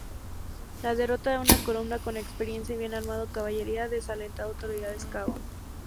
La derrota de una columna con experiencia y bien armado caballería desalentado autoridades Cabo.